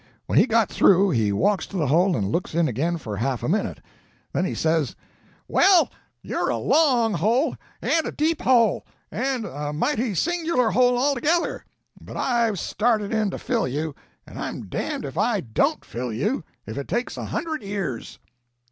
When he got through he walks to the hole and looks in again for half a minute; then he says, 'Well, you're a long hole, and a deep hole, and a mighty singular hole altogether but I've started in to fill you, and I'm damned if I DON'T fill you, if it takes a hundred years!'